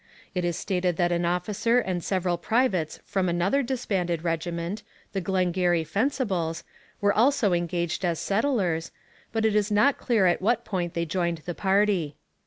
It is stated that an officer and several privates from another disbanded regiment, the Glengarry Fencibles, were also engaged as settlers, but it is not clear at what point they joined the party.